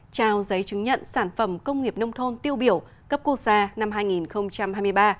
trao giấy chứng nhận sản phẩm công nghiệp nông thôn tiêu biểu cấp quốc gia năm hai nghìn hai mươi ba